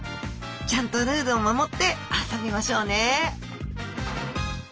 ちゃんとルールを守って遊びましょうね！